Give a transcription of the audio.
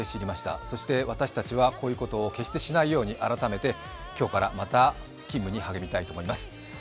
そして私たちはこういうことを決してしないように改めて今日からまた勤務に励みたいと思います。